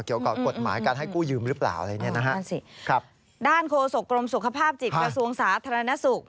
เกี่ยวกับกฎหมายการให้กู้ยืมหรือเปล่าด้านโฆษกรมสุขภาพจิตกระทรวงสาธารณสุข